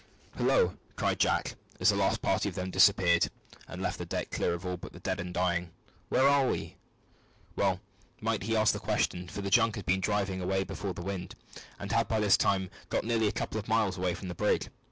"Hillo!" cried Jack, as the last party of them disappeared, and left the deck clear of all but the dead or dying, "where are we?" Well might he ask the question, for the junk had been driving away before the wind, and had by this time got nearly a couple of miles away from the brig.